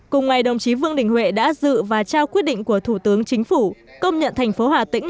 cùng ngày đồng chí vương đình huệ đã dự và trao quyết định của thủ tướng chính phủ công nhận thành phố hà tĩnh